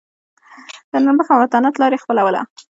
د نرمښت او متانت لار یې خپلوله.